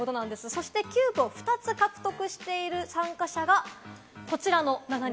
そしてキューブを２つ獲得している参加者が、こちらの７人。